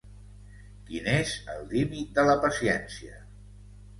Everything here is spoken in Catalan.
Quin és el límit de la paciència?